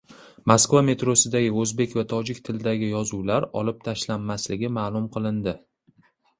Moskva metrosidagi o‘zbek va tojik tilidagi yozuvlar olib tashlanmasligi ma’lum qilindi